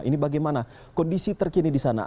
ini bagaimana kondisi terkini di sana